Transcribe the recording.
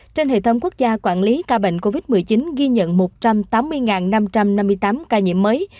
trên hệ thống quốc gia quản lý ca bệnh covid một mươi chín ghi nhận một trăm tám mươi năm trăm năm mươi tám ca nhiễm mới